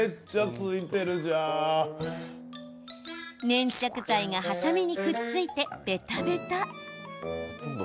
粘着剤がはさみにくっついてベタベタ。